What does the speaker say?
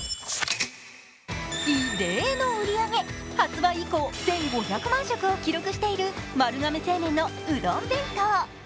異例の売り上げ、発売以降、１５００万食を記録している丸亀製麺のうどん弁当。